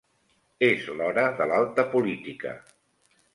És l'hora de l'alta política.